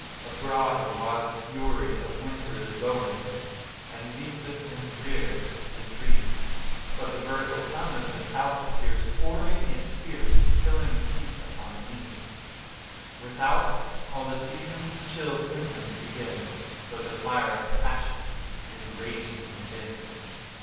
Abroad the wild fury of winter is lowering, And leafless and drear is the tree; But the vertical sun of the south appears pouring Its fierce, killing heats upon me: Without, all the season's chill symptoms begin— But the fire of passion is raging within.